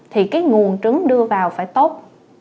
thì cái nguồn trứng đưa vào phải tốt